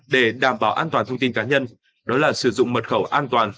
để đảm bảo an toàn thông tin cá nhân đó là sử dụng mật khẩu an toàn